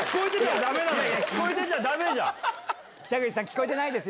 聞こえてないね？